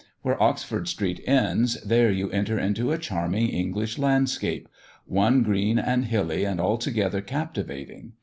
Where Oxford street ends, there you enter into a charming English landscape one green and hilly and altogether captivating.